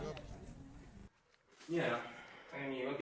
นี่ไหนล่ะข้างนี้ว่าเกี่ยว